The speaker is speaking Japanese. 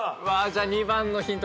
２番のヒント